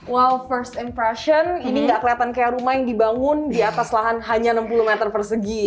wow first impression ini gak kelihatan kayak rumah yang dibangun di atas lahan hanya enam puluh meter persegi